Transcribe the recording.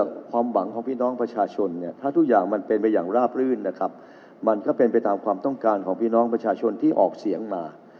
ความหวังของพี่น้องประชาชนเนี่ยถ้าทุกอย่างมันเป็นไปอย่างราบรื่นนะครับมันก็เป็นไปตามความต้องการของพี่น้องประชาชนที่ออกเสียงมา